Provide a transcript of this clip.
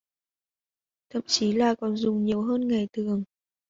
Thậm chí là còn dùng nhiều hơn ngày thường